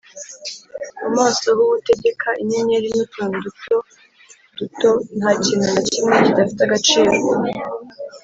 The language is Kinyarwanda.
mu maso h’uwo utegeka inyenyeri n’utuntu duto duto, nta kintu na kimwe kidafite agaciro